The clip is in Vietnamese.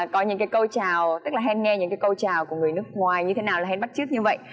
có những cái câu trào tức là hay nghe những cái câu trào của người nước ngoài như thế nào là hay bắt trước như vậy